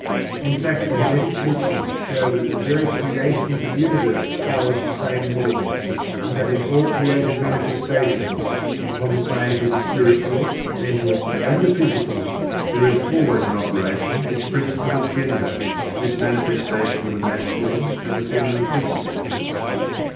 In fact, the Hermetic Teachings show that the very creation of the Universe follows the same law, and that in all creative manifestations, upon the planes of the spiritual, the mental, and the physical, there is always in operation this principle of Gender this manifestation of the Masculine and the Feminine Principles.